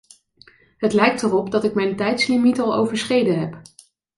Het lijkt erop dat ik mijn tijdslimiet al overschreden heb.